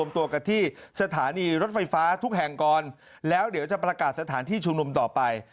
ตัวกันที่สถานีรถไฟฟ้าทุกแห่งก่อนแล้วเดี๋ยวจะประกาศสถานที่ชุมนุมต่อไป